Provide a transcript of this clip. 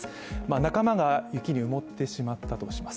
仲間が雪に埋もってしまったとしまいます